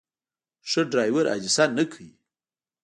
ښه ډرایور حادثه نه کوي.